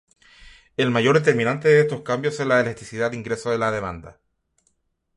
El mayor determinante de estos cambios es la elasticidad ingreso de la demanda.